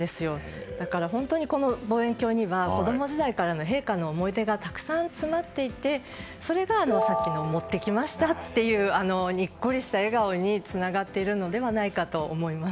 本当にこの望遠鏡には子供時代からの陛下の思い出がたくさん詰まっていてそれがさっきの持ってきましたというにっこりした笑顔につながっているのではないかと思います。